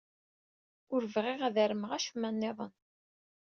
Ur bɣiɣ ad armeɣ acemma niḍen.